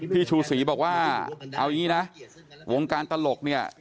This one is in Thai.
พี่ชูศรีบอกว่าเอาอย่างนี้นะวงการตลกเนี่ย